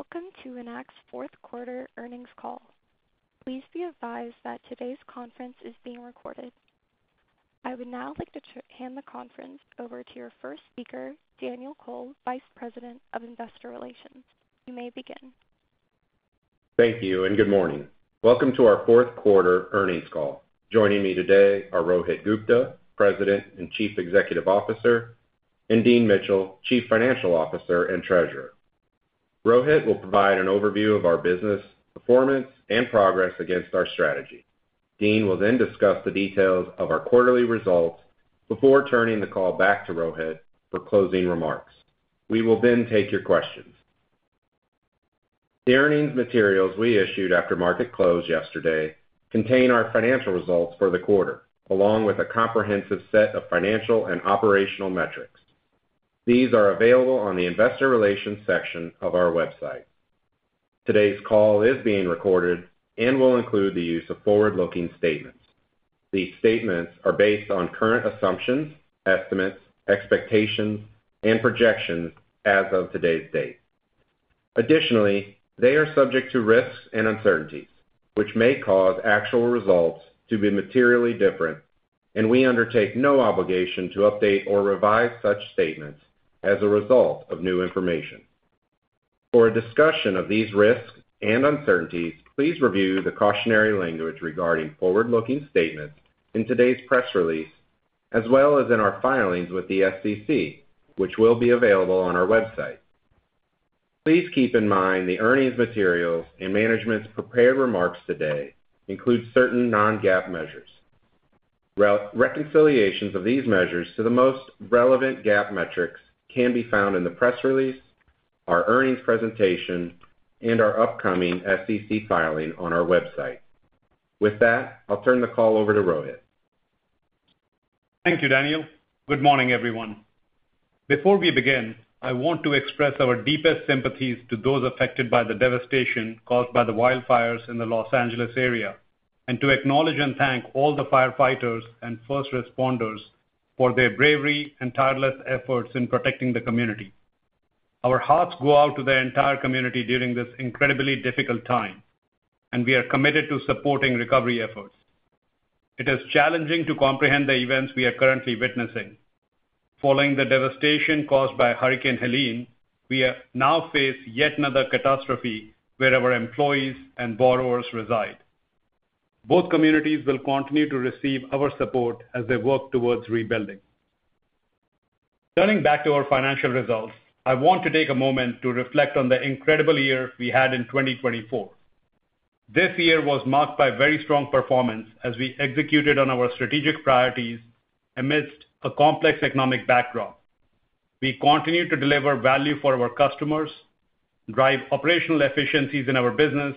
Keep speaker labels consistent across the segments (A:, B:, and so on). A: Hello, and welcome to Enact's Fourth Quarter Earnings Call. Please be advised that today's conference is being recorded. I would now like to hand the conference over to your first speaker, Daniel Kohl, Vice President of Investor Relations. You may begin.
B: Thank you, and good morning. Welcome to our fourth quarter earnings call. Joining me today are Rohit Gupta, President and Chief Executive Officer, and Dean Mitchell, Chief Financial Officer and Treasurer. Rohit will provide an overview of our business performance and progress against our strategy. Dean will then discuss the details of our quarterly results before turning the call back to Rohit for closing remarks. We will then take your questions. The earnings materials we issued after market close yesterday contain our financial results for the quarter, along with a comprehensive set of financial and operational metrics. These are available on the Investor Relations section of our website. Today's call is being recorded and will include the use of forward-looking statements. These statements are based on current assumptions, estimates, expectations, and projections as of today's date. Additionally, they are subject to risks and uncertainties, which may cause actual results to be materially different, and we undertake no obligation to update or revise such statements as a result of new information. For a discussion of these risks and uncertainties, please review the cautionary language regarding forward-looking statements in today's press release, as well as in our filings with the SEC, which will be available on our website. Please keep in mind the earnings materials and management's prepared remarks today include certain non-GAAP measures. Reconciliations of these measures to the most relevant GAAP metrics can be found in the press release, our earnings presentation, and our upcoming SEC filing on our website. With that, I'll turn the call over to Rohit.
C: Thank you, Daniel. Good morning, everyone. Before we begin, I want to express our deepest sympathies to those affected by the devastation caused by the wildfires in the L.A. area, and to acknowledge and thank all the firefighters and first responders for their bravery and tireless efforts in protecting the community. Our hearts go out to the entire community during this incredibly difficult time, and we are committed to supporting recovery efforts. It is challenging to comprehend the events we are currently witnessing. Following the devastation caused by Hurricane Helene, we now face yet another catastrophe where our employees and borrowers reside. Both communities will continue to receive our support as they work towards rebuilding. Turning back to our financial results, I want to take a moment to reflect on the incredible year we had in 2024. This year was marked by very strong performance as we executed on our strategic priorities amidst a complex economic backdrop. We continued to deliver value for our customers, drive operational efficiencies in our business,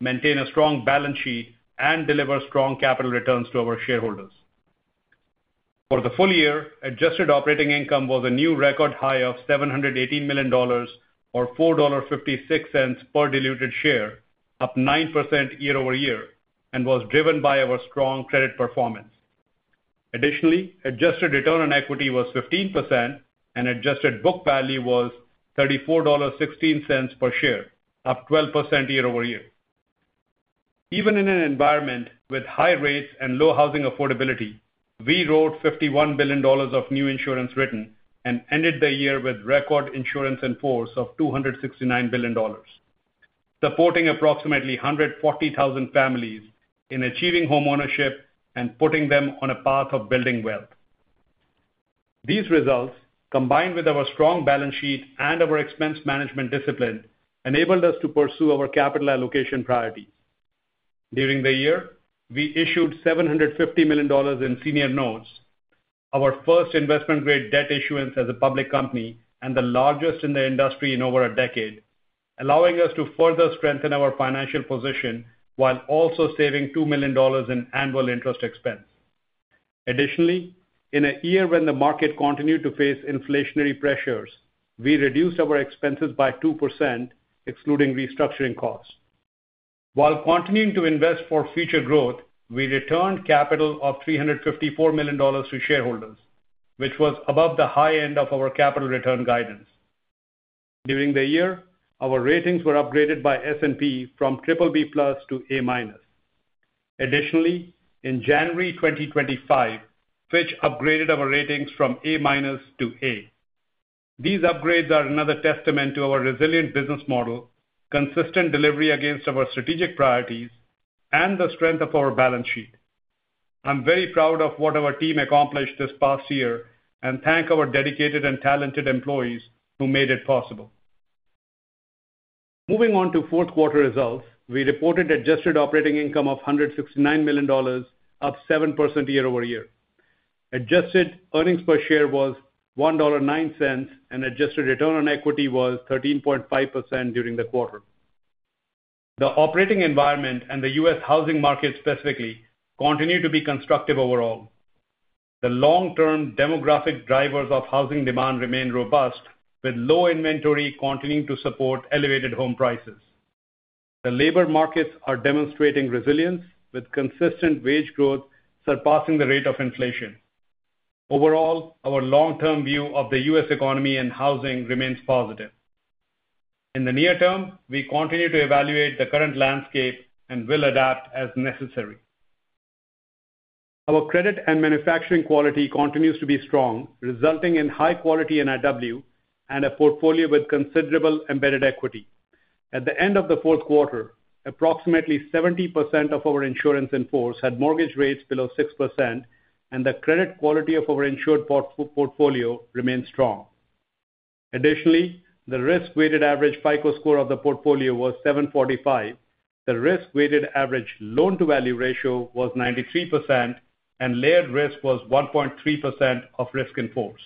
C: maintain a strong balance sheet, and deliver strong capital returns to our shareholders. For the full year, adjusted operating income was a new record high of $718 million, or $4.56 per diluted share, up 9% year-over-year, and was driven by our strong credit performance. Additionally, adjusted return on equity was 15%, and adjusted book value was $34.16 per share, up 12% year-over-year. Even in an environment with high rates and low housing affordability, we wrote $51 billion of new insurance written and ended the year with record insurance in force of $269 billion, supporting approximately 140,000 families in achieving homeownership and putting them on a path of building wealth. These results, combined with our strong balance sheet and our expense management discipline, enabled us to pursue our capital allocation priorities. During the year, we issued $750 million in senior notes, our first investment-grade debt issuance as a public company, and the largest in the industry in over a decade, allowing us to further strengthen our financial position while also saving $2 million in annual interest expense. Additionally, in a year when the market continued to face inflationary pressures, we reduced our expenses by 2%, excluding restructuring costs. While continuing to invest for future growth, we returned capital of $354 million to shareholders, which was above the high end of our capital return guidance. During the year, our ratings were upgraded by S&P from BBB+ to A-. Additionally, in January 2025, Fitch upgraded our ratings from A- to A. These upgrades are another testament to our resilient business model, consistent delivery against our strategic priorities, and the strength of our balance sheet. I'm very proud of what our team accomplished this past year and thank our dedicated and talented employees who made it possible. Moving on to fourth quarter results, we reported adjusted operating income of $169 million, up 7% year-over-year. Adjusted earnings per share was $1.09, and adjusted return on equity was 13.5% during the quarter. The operating environment and the U.S. housing market specifically continue to be constructive overall. The long-term demographic drivers of housing demand remain robust, with low inventory continuing to support elevated home prices. The labor markets are demonstrating resilience, with consistent wage growth surpassing the rate of inflation. Overall, our long-term view of the U.S. economy and housing remains positive. In the near term, we continue to evaluate the current landscape and will adapt as necessary. Our credit and underwriting quality continues to be strong, resulting in high quality NIW and a portfolio with considerable embedded equity. At the end of the fourth quarter, approximately 70% of our insurance in force had mortgage rates below 6%, and the credit quality of our insured portfolio remained strong. Additionally, the risk-weighted average FICO score of the portfolio was 745. The risk-weighted average loan-to-value ratio was 93%, and layered risk was 1.3% of risk in force.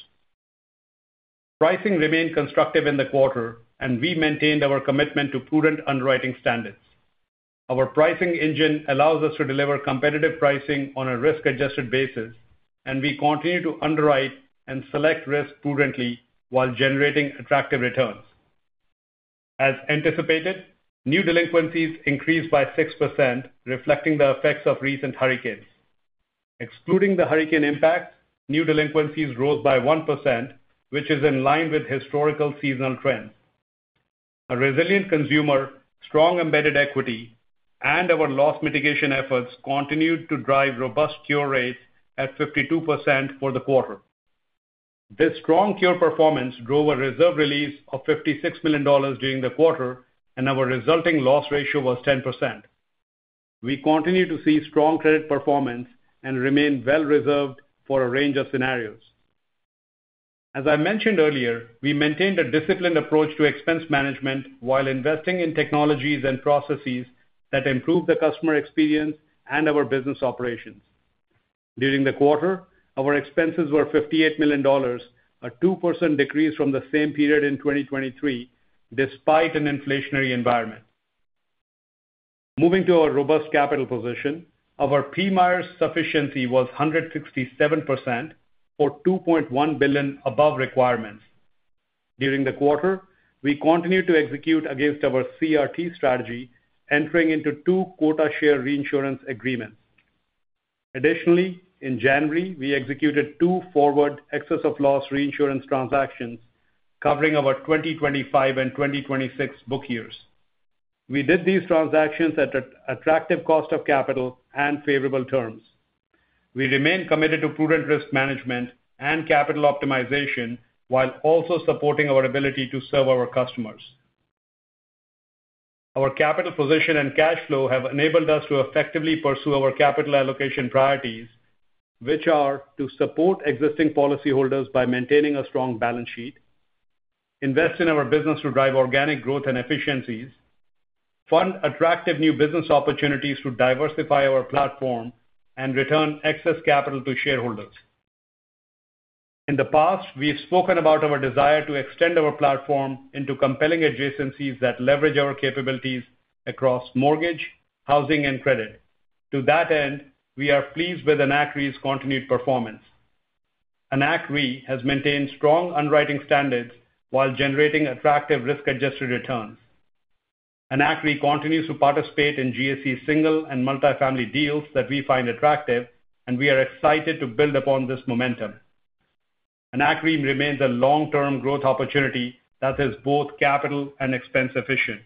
C: Pricing remained constructive in the quarter, and we maintained our commitment to prudent underwriting standards. Our pricing engine allows us to deliver competitive pricing on a risk-adjusted basis, and we continue to underwrite and select risk prudently while generating attractive returns. As anticipated, new delinquencies increased by 6%, reflecting the effects of recent hurricanes. Excluding the hurricane impacts, new delinquencies rose by 1%, which is in line with historical seasonal trends. A resilient consumer, strong embedded equity, and our loss mitigation efforts continued to drive robust cure rates at 52% for the quarter. This strong cure performance drove a reserve release of $56 million during the quarter, and our resulting loss ratio was 10%. We continue to see strong credit performance and remain well-reserved for a range of scenarios. As I mentioned earlier, we maintained a disciplined approach to expense management while investing in technologies and processes that improve the customer experience and our business operations. During the quarter, our expenses were $58 million, a 2% decrease from the same period in 2023, despite an inflationary environment. Moving to our robust capital position, our PMIERs sufficiency was 167%, or $2.1 billion above requirements. During the quarter, we continued to execute against our CRT strategy, entering into two quota share reinsurance agreements. Additionally, in January, we executed two forward excess of loss reinsurance transactions covering our 2025 and 2026 book years. We did these transactions at an attractive cost of capital and favorable terms. We remain committed to prudent risk management and capital optimization while also supporting our ability to serve our customers. Our capital position and cash flow have enabled us to effectively pursue our capital allocation priorities, which are to support existing policyholders by maintaining a strong balance sheet, invest in our business to drive organic growth and efficiencies, fund attractive new business opportunities to diversify our platform, and return excess capital to shareholders. In the past, we have spoken about our desire to extend our platform into compelling adjacencies that leverage our capabilities across mortgage, housing, and credit. To that end, we are pleased with Enact Re's continued performance. Enact Re has maintained strong underwriting standards while generating attractive risk-adjusted returns. Enact Re continues to participate in GSE single and multi-family deals that we find attractive, and we are excited to build upon this momentum. Enact Re remains a long-term growth opportunity that is both capital and expense efficient.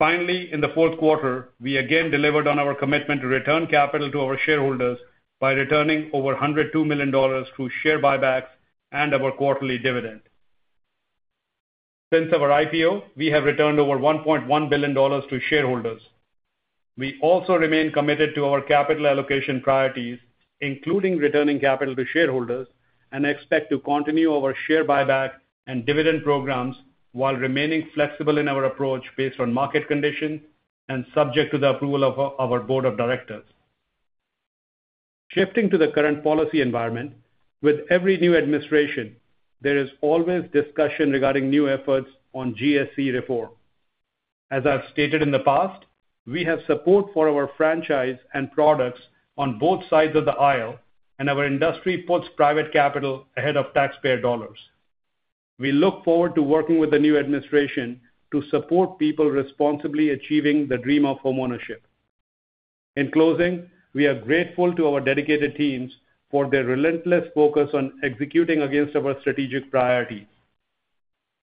C: Finally, in the fourth quarter, we again delivered on our commitment to return capital to our shareholders by returning over $102 million through share buybacks and our quarterly dividend. Since our IPO, we have returned over $1.1 billion to shareholders. We also remain committed to our capital allocation priorities, including returning capital to shareholders, and expect to continue our share buyback and dividend programs while remaining flexible in our approach based on market conditions and subject to the approval of our Board of Directors. Shifting to the current policy environment, with every new administration, there is always discussion regarding new efforts on GSE reform. As I've stated in the past, we have support for our franchise and products on both sides of the aisle, and our industry puts private capital ahead of taxpayer dollars. We look forward to working with the new administration to support people responsibly achieving the dream of homeownership. In closing, we are grateful to our dedicated teams for their relentless focus on executing against our strategic priorities.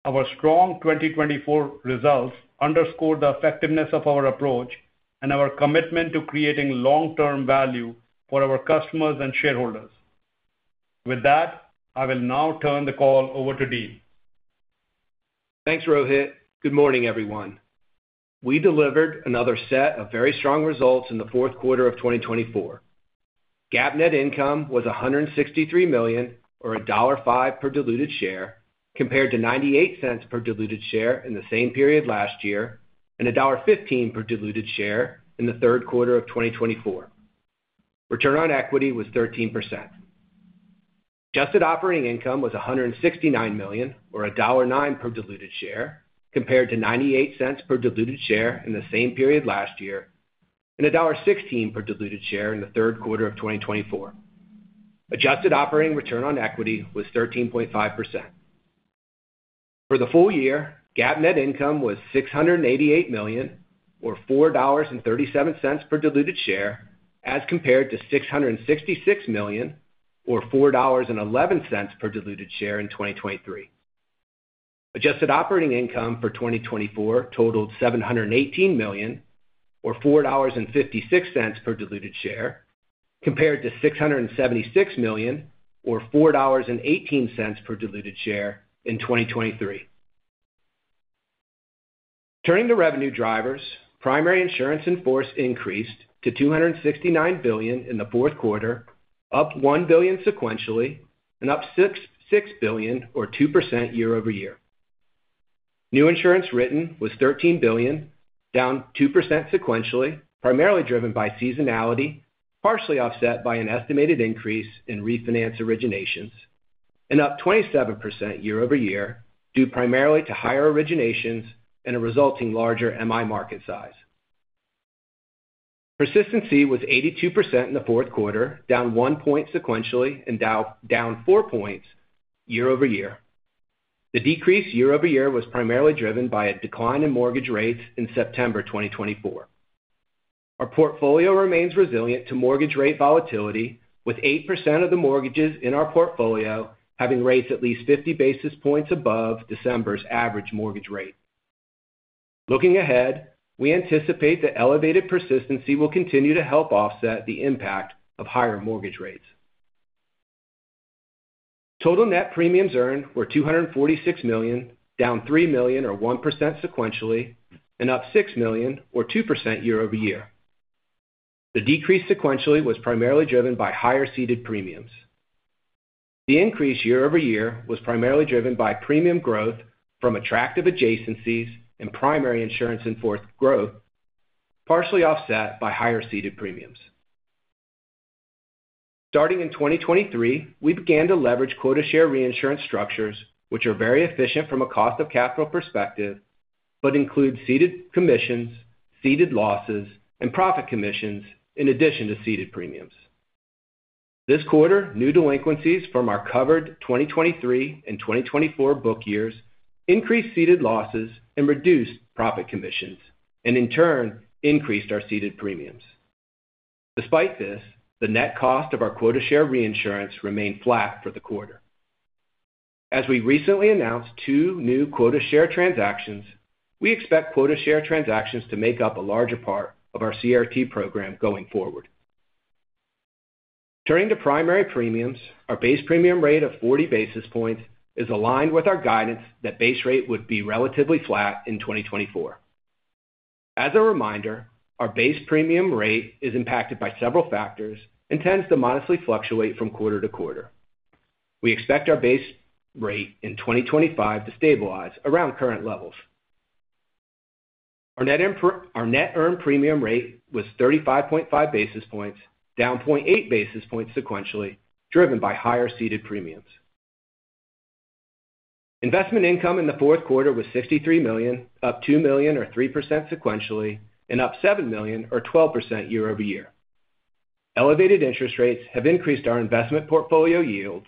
C: Our strong 2024 results underscored the effectiveness of our approach and our commitment to creating long-term value for our customers and shareholders. With that, I will now turn the call over to Dean.
D: Thanks, Rohit. Good morning, everyone. We delivered another set of very strong results in the fourth quarter of 2024. GAAP net income was $163 million, or $1.05 per diluted share, compared to $0.98 per diluted share in the same period last year and $1.15 per diluted share in the third quarter of 2024. Return on equity was 13%. Adjusted operating income was $169 million, or $1.09 per diluted share, compared to $0.98 per diluted share in the same period last year and $1.16 per diluted share in the third quarter of 2024. Adjusted operating return on equity was 13.5%. For the full year, GAAP net income was $688 million, or $4.37 per diluted share, as compared to $666 million, or $4.11 per diluted share in 2023. Adjusted operating income for 2024 totaled $718 million, or $4.56 per diluted share, compared to $676 million, or $4.18 per diluted share in 2023. Turning to revenue drivers, primary insurance in force increased to $269 billion in the fourth quarter, up $1 billion sequentially, and up $6 billion, or 2% year-over-year. New insurance written was $13 billion, down 2% sequentially, primarily driven by seasonality, partially offset by an estimated increase in refinance originations, and up 27% year-over-year due primarily to higher originations and a resulting larger MI market size. Persistency was 82% in the fourth quarter, down one point sequentially and down four points year-over-year. The decrease year-over-year was primarily driven by a decline in mortgage rates in September 2024. Our portfolio remains resilient to mortgage rate volatility, with 8% of the mortgages in our portfolio having rates at least 50 basis points above December's average mortgage rate. Looking ahead, we anticipate that elevated persistency will continue to help offset the impact of higher mortgage rates. Total net premiums earned were $246 million, down $3 million, or 1% sequentially, and up $6 million, or 2% year-over-year. The decrease sequentially was primarily driven by higher ceded premiums. The increase year-over-year was primarily driven by premium growth from attractive adjacencies and primary insurance in force growth, partially offset by higher ceded premiums. Starting in 2023, we began to leverage quota share reinsurance structures, which are very efficient from a cost of capital perspective but include ceded commissions, ceded losses, and profit commissions in addition to ceded premiums. This quarter, new delinquencies from our covered 2023 and 2024 book years increased ceded losses and reduced profit commissions, and in turn, increased our ceded premiums. Despite this, the net cost of our quota share reinsurance remained flat for the quarter. As we recently announced two new quota share transactions, we expect quota share transactions to make up a larger part of our CRT program going forward. Turning to primary premiums, our base premium rate of 40 basis points is aligned with our guidance that base rate would be relatively flat in 2024. As a reminder, our base premium rate is impacted by several factors and tends to modestly fluctuate from quarter to quarter. We expect our base rate in 2025 to stabilize around current levels. Our net earned premium rate was 35.5 basis points, down 0.8 basis points sequentially, driven by higher ceded premiums. Investment income in the fourth quarter was $63 million, up $2 million, or 3% sequentially, and up $7 million, or 12% year-over-year. Elevated interest rates have increased our investment portfolio yields,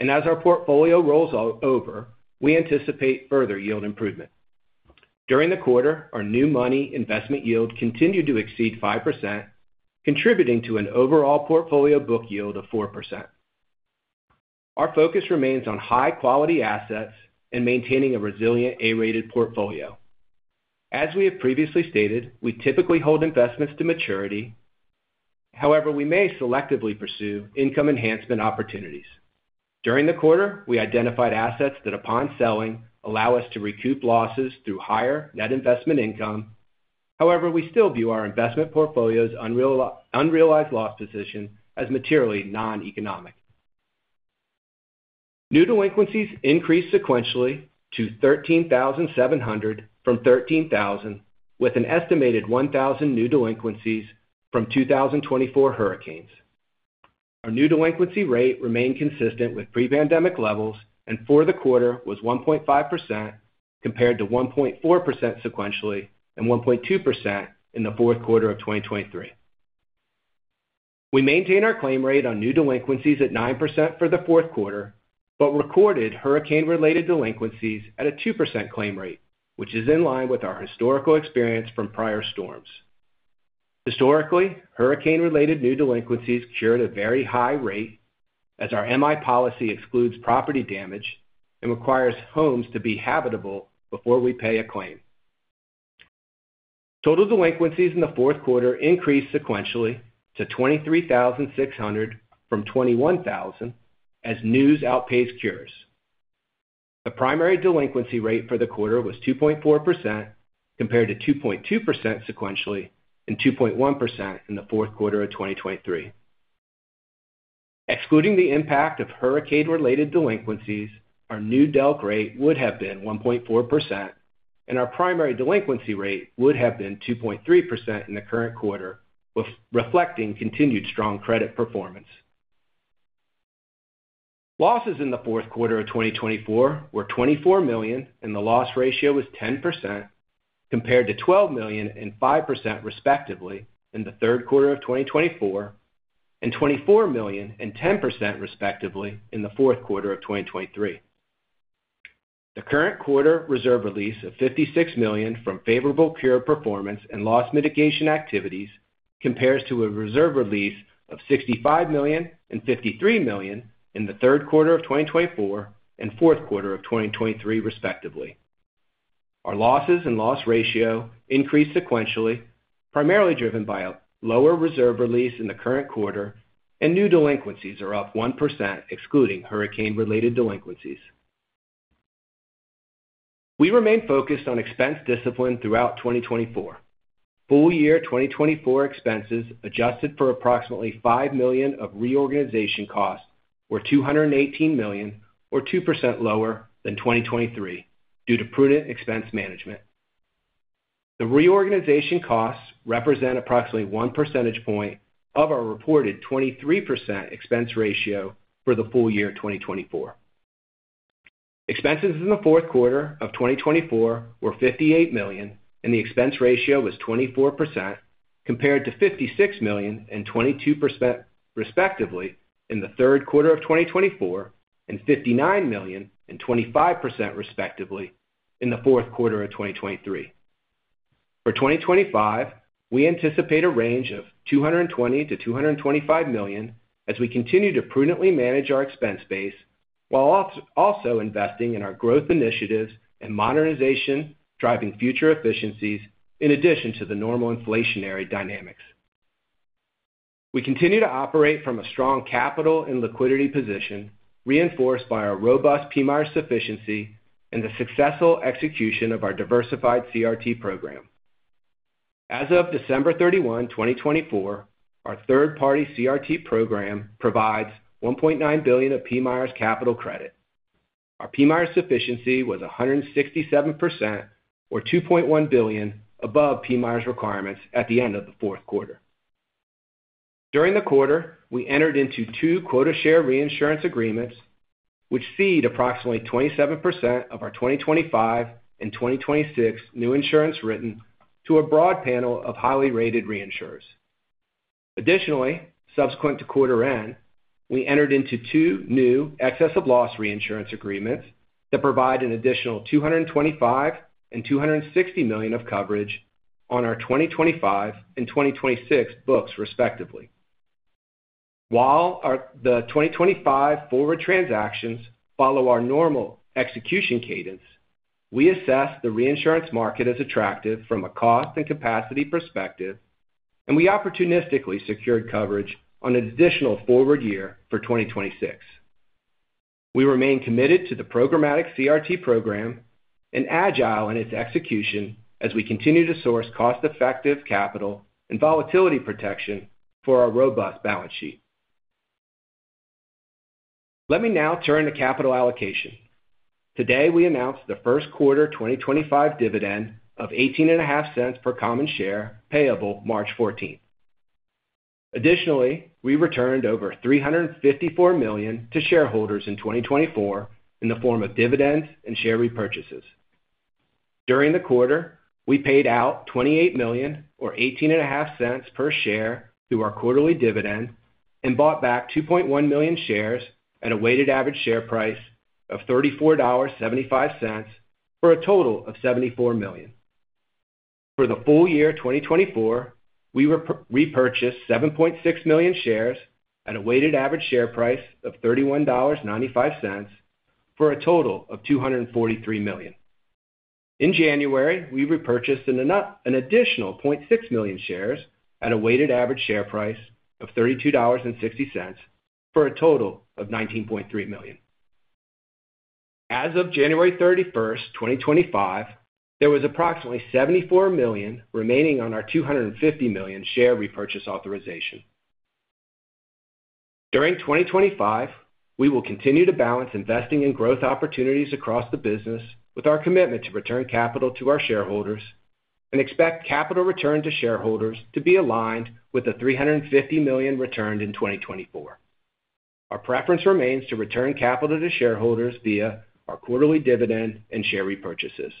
D: and as our portfolio rolls over, we anticipate further yield improvement. During the quarter, our new money investment yield continued to exceed 5%, contributing to an overall portfolio book yield of 4%. Our focus remains on high-quality assets and maintaining a resilient A-rated portfolio. As we have previously stated, we typically hold investments to maturity. However, we may selectively pursue income enhancement opportunities. During the quarter, we identified assets that, upon selling, allow us to recoup losses through higher net investment income. However, we still view our investment portfolio's unrealized loss position as materially non-economic. New delinquencies increased sequentially to $13,700 from $13,000, with an estimated 1,000 new delinquencies from 2024 hurricanes. Our new delinquency rate remained consistent with pre-pandemic levels, and for the quarter was 1.5% compared to 1.4% sequentially and 1.2% in the fourth quarter of 2023. We maintain our claim rate on new delinquencies at 9% for the fourth quarter but recorded hurricane-related delinquencies at a 2% claim rate, which is in line with our historical experience from prior storms. Historically, hurricane-related new delinquencies cured at a very high rate as our MI policy excludes property damage and requires homes to be habitable before we pay a claim. Total delinquencies in the fourth quarter increased sequentially to 23,600 from 21,000 as new delinquencies outpaced cures. The primary delinquency rate for the quarter was 2.4% compared to 2.2% sequentially and 2.1% in the fourth quarter of 2023. Excluding the impact of hurricane-related delinquencies, our new delinquency rate would have been 1.4%, and our primary delinquency rate would have been 2.3% in the current quarter, reflecting continued strong credit performance. Losses in the fourth quarter of 2024 were $24 million, and the loss ratio was 10% compared to $12 million and 5% respectively in the third quarter of 2024 and $24 million and 10% respectively in the fourth quarter of 2023. The current quarter reserve release of $56 million from favorable cure performance and loss mitigation activities compares to a reserve release of $65 million and $53 million in the third quarter of 2024 and fourth quarter of 2023 respectively. Our losses and loss ratio increased sequentially, primarily driven by a lower reserve release in the current quarter, and new delinquencies are up 1% excluding hurricane-related delinquencies. We remain focused on expense discipline throughout 2024. Full year 2024 expenses adjusted for approximately $5 million of reorganization costs were $218 million, or 2% lower than 2023 due to prudent expense management. The reorganization costs represent approximately 1 percentage point of our reported 23% expense ratio for the full year 2024. Expenses in the fourth quarter of 2024 were $58 million, and the expense ratio was 24% compared to $56 million and 22% respectively in the third quarter of 2024 and $59 million and 25% respectively in the fourth quarter of 2023. For 2025, we anticipate a range of $220 million-$225 million as we continue to prudently manage our expense base while also investing in our growth initiatives and modernization driving future efficiencies in addition to the normal inflationary dynamics. We continue to operate from a strong capital and liquidity position reinforced by our robust PMIERs sufficiency and the successful execution of our diversified CRT program. As of December 31, 2024, our third-party CRT program provides $1.9 billion of PMIERs capital credit. Our PMIERs sufficiency was 167%, or $2.1 billion, above PMIERs requirements at the end of the fourth quarter. During the quarter, we entered into two quota share reinsurance agreements, which cede approximately 27% of our 2025 and 2026 new insurance written to a broad panel of highly rated reinsurers. Additionally, subsequent to quarter end, we entered into two new excess of loss reinsurance agreements that provide an additional $225 million and $260 million of coverage on our 2025 and 2026 books respectively. While the 2025 forward transactions follow our normal execution cadence, we assess the reinsurance market as attractive from a cost and capacity perspective, and we opportunistically secured coverage on an additional forward year for 2026. We remain committed to the programmatic CRT program and agile in its execution as we continue to source cost-effective capital and volatility protection for our robust balance sheet. Let me now turn to capital allocation. Today, we announced the first quarter 2025 dividend of $0.18 per common share payable March 14. Additionally, we returned over $354 million to shareholders in 2024 in the form of dividends and share repurchases. During the quarter, we paid out $28 million, or $0.18 per share through our quarterly dividend, and bought back 2.1 million shares at a weighted average share price of $34.75 for a total of $74 million. For the full year 2024, we repurchased 7.6 million shares at a weighted average share price of $31.95 for a total of $243 million. In January, we repurchased an additional 0.6 million shares at a weighted average share price of $32.60 for a total of $19.3 million. As of January 31, 2025, there was approximately $74 million remaining on our 250 million share repurchase authorization. During 2025, we will continue to balance investing in growth opportunities across the business with our commitment to return capital to our shareholders and expect capital return to shareholders to be aligned with the $350 million returned in 2024. Our preference remains to return capital to shareholders via our quarterly dividend and share repurchases.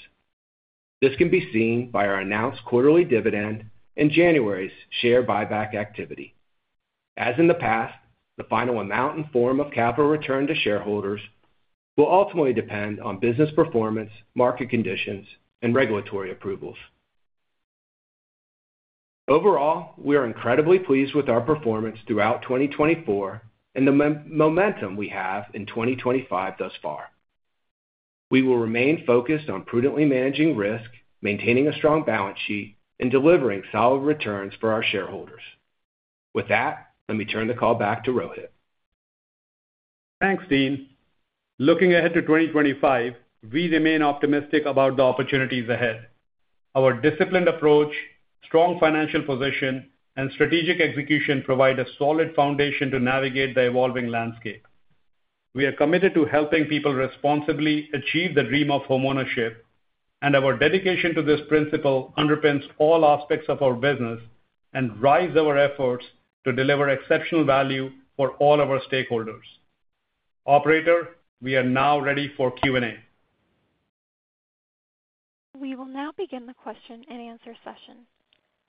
D: This can be seen by our announced quarterly dividend and January's share buyback activity. As in the past, the final amount and form of capital return to shareholders will ultimately depend on business performance, market conditions, and regulatory approvals. Overall, we are incredibly pleased with our performance throughout 2024 and the momentum we have in 2025 thus far. We will remain focused on prudently managing risk, maintaining a strong balance sheet, and delivering solid returns for our shareholders. With that, let me turn the call back to Rohit.
C: Thanks, Dean. Looking ahead to 2025, we remain optimistic about the opportunities ahead. Our disciplined approach, strong financial position, and strategic execution provide a solid foundation to navigate the evolving landscape. We are committed to helping people responsibly achieve the dream of homeownership, and our dedication to this principle underpins all aspects of our business and drives our efforts to deliver exceptional value for all of our stakeholders. Operator, we are now ready for Q&A.
A: We will now begin the question and answer session.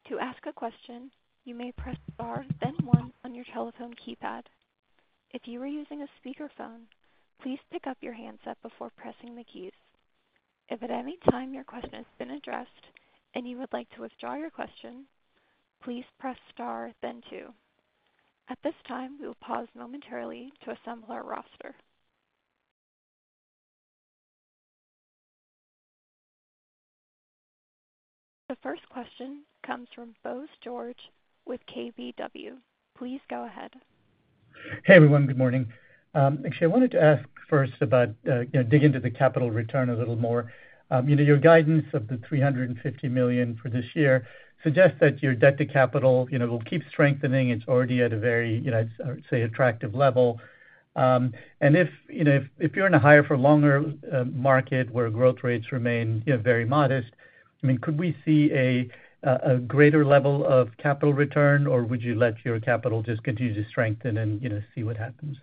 A: To ask a question, you may press star then one on your telephone keypad. If you are using a speakerphone, please pick up your handset before pressing the keys. If at any time your question has been addressed and you would like to withdraw your question, please press star then two. At this time, we will pause momentarily to assemble our roster. The first question comes from Bose George with KBW. Please go ahead.
E: Hey, everyone. Good morning. Actually, I wanted to ask first about, dig into the capital return a little more. Your guidance of the $350 million for this year suggests that your debt to capital, it will keep strengthening. It's already at a very, I'd say, attractive level. And if you're in a higher-for-longer market where growth rates remain very modest, I mean, could we see a greater level of capital return, or would you let your capital just continue to strengthen and see what happens?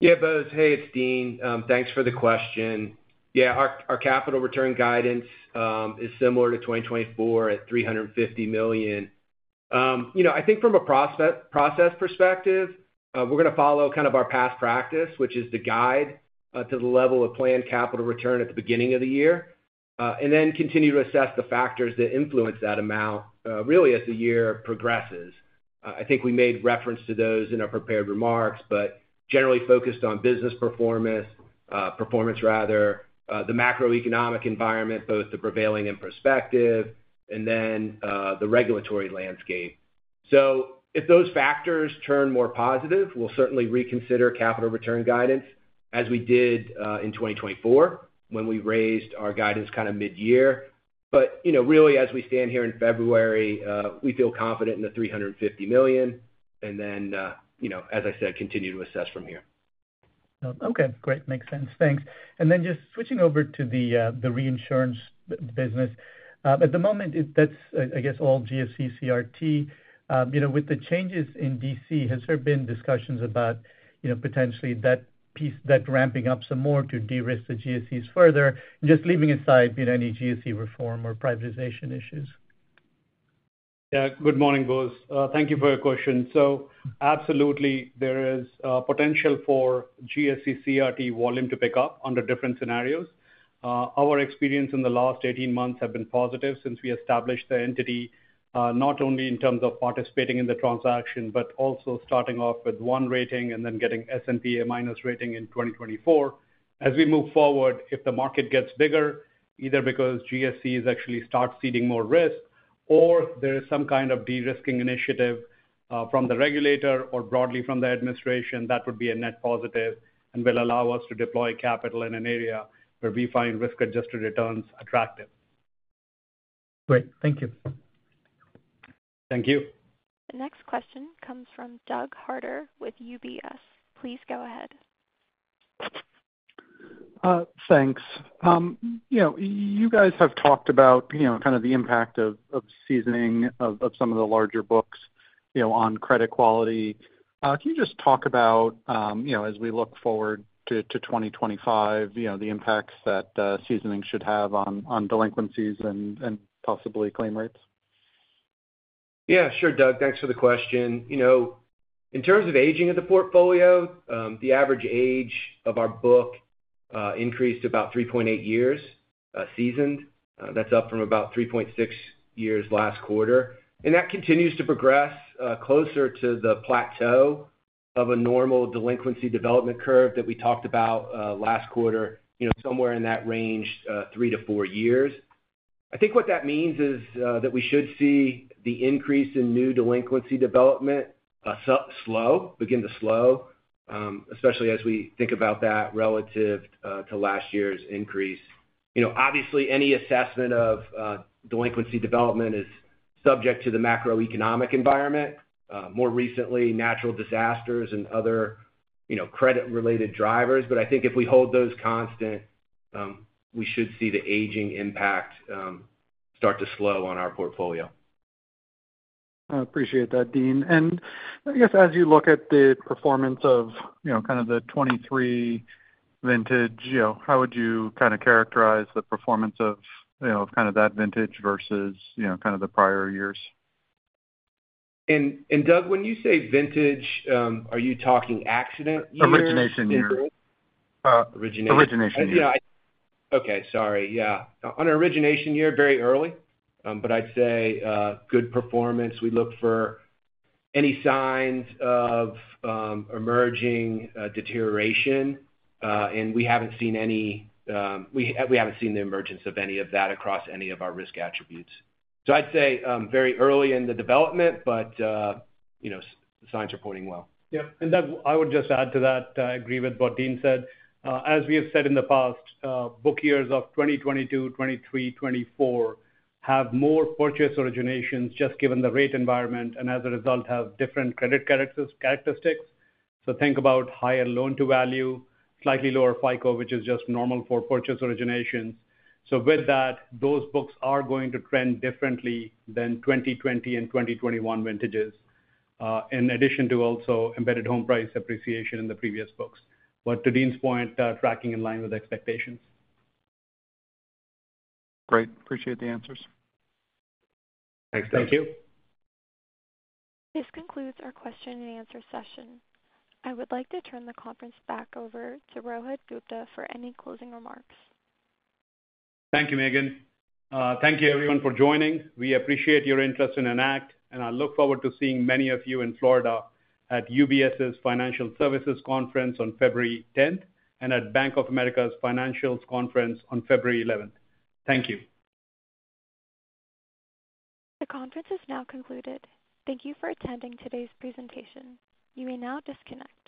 D: Yeah, Bose. Hey, it's Dean. Thanks for the question. Yeah, our capital return guidance is similar to 2024 at $350 million. I think from a process perspective, we're going to follow kind of our past practice, which is to guide to the level of planned capital return at the beginning of the year and then continue to assess the factors that influence that amount really as the year progresses. I think we made reference to those in our prepared remarks, but generally focused on business performance, performance rather, the macroeconomic environment, both the prevailing and prospective, and then the regulatory landscape. So if those factors turn more positive, we'll certainly reconsider capital return guidance as we did in 2024 when we raised our guidance kind of mid-year. But really, as we stand here in February, we feel confident in the $350 million, and then, as I said, continue to assess from here.
E: Okay. Great. Makes sense. Thanks. And then just switching over to the reinsurance business. At the moment, that's, I guess, all GSE CRT. With the changes in D.C., has there been discussions about potentially that ramping up some more to de-risk the GSEs further, just leaving aside any GSE reform or privatization issues?
C: Yeah. Good morning, Bose. Thank you for your question. So absolutely, there is potential for GSE CRT volume to pick up under different scenarios. Our experience in the last 18 months has been positive since we established the entity, not only in terms of participating in the transaction, but also starting off with one rating and then getting S&P A- rating in 2024. As we move forward, if the market gets bigger, either because GSEs actually start ceding more risk, or there is some kind of de-risking initiative from the regulator or broadly from the administration, that would be a net positive and will allow us to deploy capital in an area where we find risk-adjusted returns attractive.
E: Great. Thank you.
C: Thank you.
A: The next question comes from Doug Harter with UBS. Please go ahead.
F: Thanks. You guys have talked about kind of the impact of seasoning of some of the larger books on credit quality. Can you just talk about, as we look forward to 2025, the impacts that seasoning should have on delinquencies and possibly claim rates?
D: Yeah. Sure, Doug. Thanks for the question. In terms of aging of the portfolio, the average age of our book increased about 3.8 years seasoned. That's up from about 3.6 years last quarter. That continues to progress closer to the plateau of a normal delinquency development curve that we talked about last quarter, somewhere in that range, three to four years. I think what that means is that we should see the increase in new delinquency development begin to slow, especially as we think about that relative to last year's increase. Obviously, any assessment of delinquency development is subject to the macroeconomic environment, more recently natural disasters and other credit-related drivers. But I think if we hold those constant, we should see the aging impact start to slow on our portfolio.
F: I appreciate that, Dean. And I guess as you look at the performance of kind of the 2023 vintage, how would you kind of characterize the performance of kind of that vintage versus kind of the prior years?
D: And Doug, when you say vintage, are you talking accident years?
F: Origination years?
D: On origination year, very early, but I'd say good performance. We look for any signs of emerging deterioration, and we haven't seen the emergence of any of that across any of our risk attributes. So I'd say very early in the development, but the signs are pointing well. Yeah.
C: And Doug, I would just add to that. I agree with what Dean said. As we have said in the past, book years of 2022, 2023, 2024 have more purchase originations just given the rate environment and, as a result, have different credit characteristics. So think about higher loan-to-value, slightly lower FICO, which is just normal for purchase originations. So with that, those books are going to trend differently than 2020 and 2021 vintages, in addition to also embedded home price appreciation in the previous books. But to Dean's point, tracking in line with expectations.
F: Great. Appreciate the answers. Thanks.
D: Thank you.
A: This concludes our question and answer session. I would like to turn the conference back over to Rohit Gupta for any closing remarks.
C: Thank you, Megan. Thank you, everyone, for joining. We appreciate your interest in Enact, and I look forward to seeing many of you in Florida at UBS's Financial Services Conference on February 10 and at Bank of America's Financials Conference on February 11. Thank you.
A: The conference is now concluded. Thank you for attending today's presentation. You may now disconnect.